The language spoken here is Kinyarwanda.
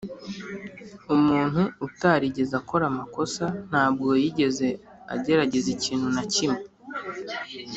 umuntu utarigeze akora amakosa ntabwo yigeze agerageza ikintu na kimwe.